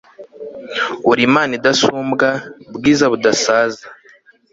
uri imana idasumbwa, bwiza budasaza